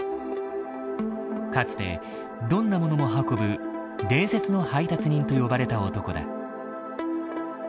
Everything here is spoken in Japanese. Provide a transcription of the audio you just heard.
かつてどんなものも運ぶ「伝説の配達人」と呼ばれた男だ。